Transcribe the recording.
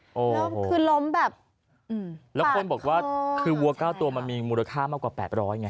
โอ้โหคือล้มแบบปากเคราะห์แล้วคนบอกว่าคือวัว๙ตัวมันมีมูลค่ามากกว่า๘๐๐ไง